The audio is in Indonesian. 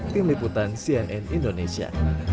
tim liputan cnn indonesia